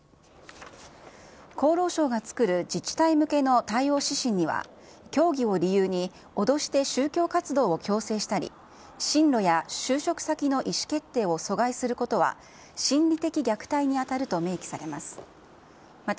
厚労省が作る自治体向けの対応指針には、教義を理由に脅して宗教活動を強制したり、進路や就職先の意思決定を阻害することは、心理的虐待に当たると明記されます。